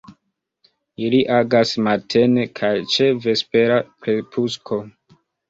Ili agas matene kaj ĉe vespera krepusko.